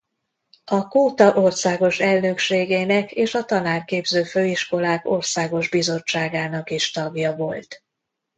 A Kóta országos elnökségének és a Tanárképző Főiskolák Országos Bizottságának is tagja volt.